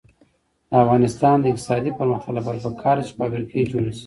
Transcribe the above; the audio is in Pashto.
د افغانستان د اقتصادي پرمختګ لپاره پکار ده چې فابریکې جوړې شي.